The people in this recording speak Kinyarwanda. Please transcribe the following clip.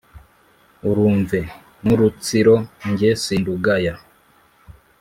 urumve n’urutsiro jye sindugaya,